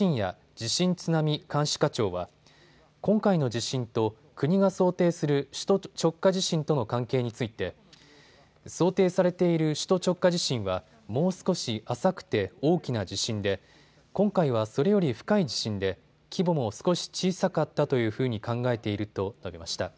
地震津波監視課長は今回の地震と国が想定する首都直下地震との関係について想定されている首都直下地震はもう少し浅くて大きな地震で今回はそれより深い地震で規模も少し小さかったというふうに考えていると述べました。